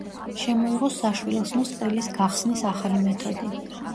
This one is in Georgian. შემოიღო საშვილოსნოს ყელის გახსნის ახალი მეთოდი.